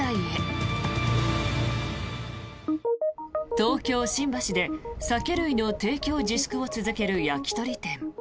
東京・新橋で酒類の提供自粛を続ける焼き鳥店。